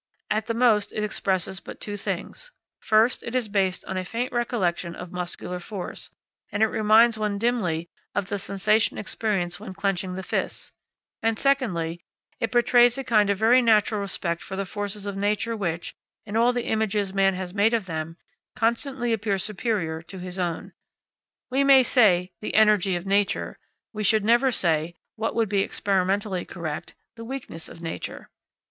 At the most it expresses but two things: first, it is based on a faint recollection of muscular force, and it reminds one dimly of the sensation experienced when clenching the fists; and, secondly, it betrays a kind of very natural respect for the forces of nature which, in all the images man has made of them, constantly appear superior to his own. We may say "the energy of nature;" but we should never say, what would be experimentally correct; "the weakness of nature."